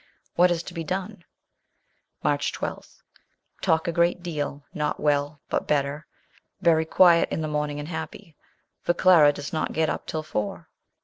What is to be done? March 12. Talk a great deal. Not well, but better. Very quiet in the morning and happy, for Clara does not get up till four.